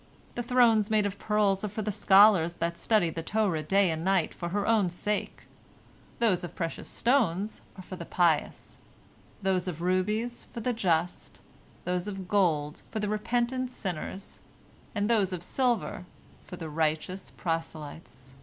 The thrones made of pearls are for the scholars that study the Torah day and night for her own sake; those of precious stones are for the pious, those of rubies for the just, those of gold for the repentant sinners, and those of silver for the righteous proselytes.